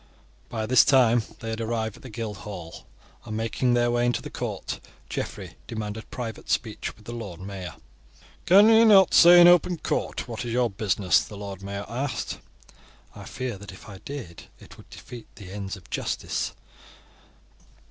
By this time they had arrived at the Guildhall, and making their way into the court, Geoffrey demanded private speech with the Lord Mayor. "Can you not say in open court what is you business?" the Lord Mayor asked. "I fear that if I did it would defeat the ends of justice."